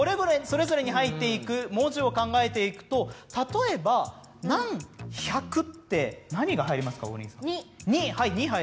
それぞれに入っていく文字を考えていくと例えば「何ひゃく」って何が入りますか？